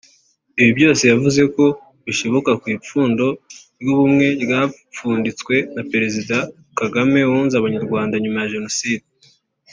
Ibi byose yavuze ko bishibuka ku ipfundo ry’Ubumwe ryapfunditswe na Perezida Kagame wunze Abanyarwanda nyuma ya Jenoside